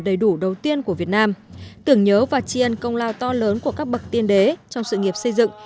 đầy đủ đầu tiên của việt nam tưởng nhớ và tri ân công lao to lớn của các bậc tiên đế trong sự nghiệp xây dựng